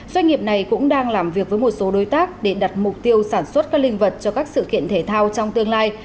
doanh nghiệp này cũng đang làm việc với một số đối tác để đặt mục tiêu sản xuất các linh vật cho các sự kiện thể thao trong tương lai